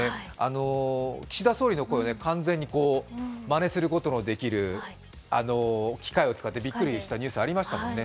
岸田総理の声完全にまねすることのできる機械を使ってびっくりしたニュースがありましたもんね。